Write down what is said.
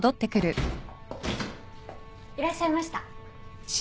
いらっしゃいました。